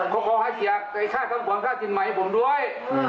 ก็ขอให้เสียค่าทั้งป่อนค่าสินไหมผมด้วย